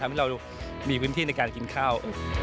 ทำให้เรามีพื้นที่ในการกินข้าว